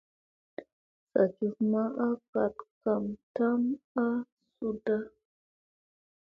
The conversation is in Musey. Sa njuf ma a gat kay tam a suuta.